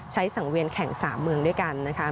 สังเวียนแข่ง๓เมืองด้วยกันนะคะ